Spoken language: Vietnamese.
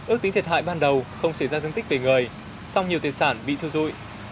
ước tính thiệt hại ban đầu không xảy ra thương tích về người song nhiều tài sản bị thiêu dụi